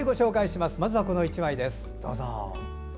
まずはこの１枚です。